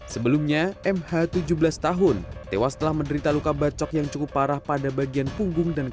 sebelumnya mh tujuh belas tahun tewas setelah menderita luka bacok yang cukup parah pada bagian punggung dan kepala